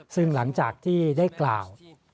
ซึ่งหลังจากที่ได้กล่าว